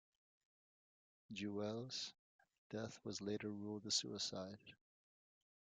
Deuel's death was later ruled a suicide.